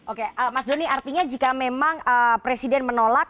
oke mas doni artinya jika memang presiden menolak